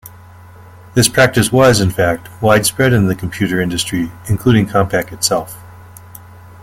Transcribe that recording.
This practice was, in fact, widespread in the computer industry, including Compaq itself.